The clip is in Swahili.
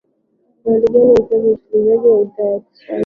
uhali gani mpenzi msikilizaji wa idhaa ya kiswahili